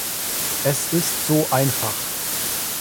Es ist so einfach.